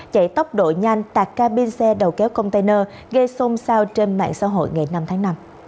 chạy tốc độ nhanh tạc cabin xe đầu kéo container gây xôn xao trên mạng xã hội ngày năm tháng năm